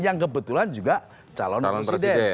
yang kebetulan juga calon presiden